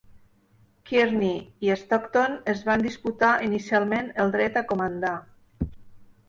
Kearny i Stockton es van disputar inicialment el dret a comandar.